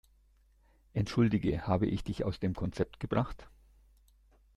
Entschuldige, habe ich dich aus dem Konzept gebracht?